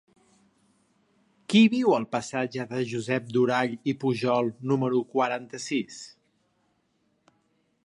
Qui viu al passatge de Josep Durall i Pujol número quaranta-sis?